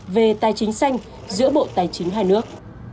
về tài chính xanh giữa bộ tài chính hai nước